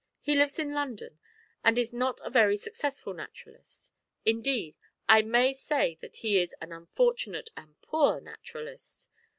He lives in London, and is not a very successful naturalist; indeed, I may say that he is an unfortunate and poor naturalist.